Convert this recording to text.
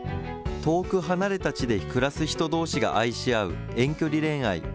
遠く離れた地で暮らす人どうしが愛し合う遠距離恋愛。